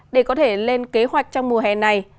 để có thể lên kế hoạch trong mùa hè này